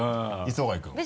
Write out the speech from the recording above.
磯貝君は？